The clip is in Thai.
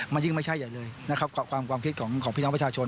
มันยิ่งไม่ใช่เลยนะครับความความคิดของของพี่น้องประชาชน